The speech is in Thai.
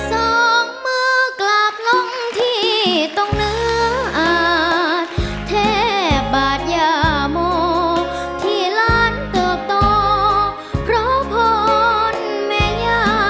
เหมือนเงี้ย